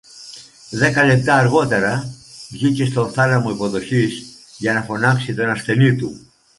Δέκα λεπτά αργότερα βγήκε στο θάλαμο υποδοχής για να φωνάξει τον ασθενή του